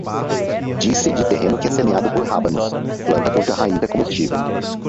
Diz-se de terreno que é semeado por rábanos, planta cuja raiz é comestível